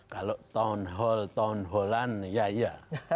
kalau town hall town hallan ya ya